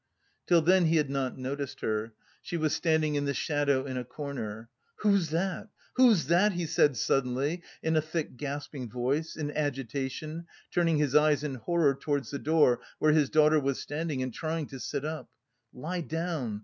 Till then he had not noticed her: she was standing in the shadow in a corner. "Who's that? Who's that?" he said suddenly in a thick gasping voice, in agitation, turning his eyes in horror towards the door where his daughter was standing, and trying to sit up. "Lie down!